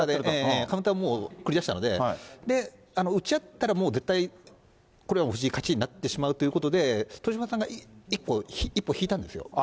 カウンターを繰り出したので、打ち合ったら、もう絶対、これはもう藤井、勝ちになってしまうということで、豊島さんが一歩引い一歩引いた。